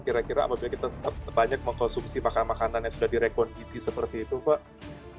kira kira apabila kita banyak mengkonsumsi makanan makanan yang sudah direkondisi seperti itu pak